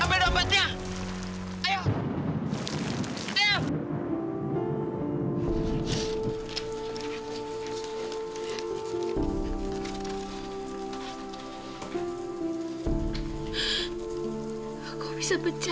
aku bisa percaya